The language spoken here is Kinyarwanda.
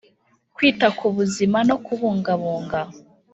Kwita ku buzima no kubungabunga